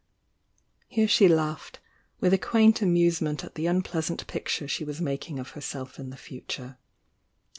Here she laughed, with a quaint amusement at the unpleasant picture she was making of herself in the future.